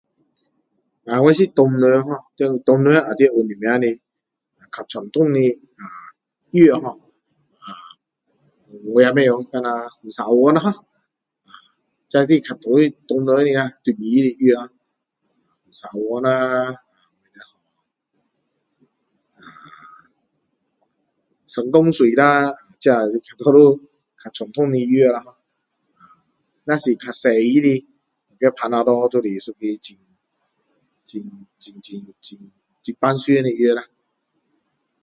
啊我是华人hor 华人有什么比较传统的呃药hor 呃我也不知道像风沙丸咯hor 这大多数是华人的中医的药啦风沙丸啦啊申功水啦这比较传统的药咯啊如果比较西医的就是panadol 啦很很很平常的药啦